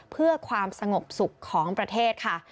เพื่อความสงบสุขของประเทศค่ะ